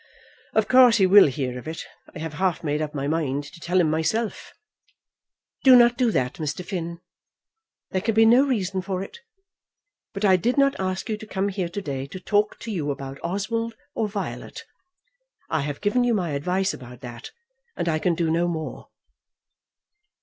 "Of course he will hear of it. I have half made up my mind to tell him myself." "Do not do that, Mr. Finn. There can be no reason for it. But I did not ask you to come here to day to talk to you about Oswald or Violet. I have given you my advice about that, and I can do no more."